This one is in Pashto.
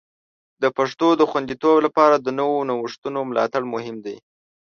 د پښتو د خوندیتوب لپاره د نوو نوښتونو ملاتړ مهم دی.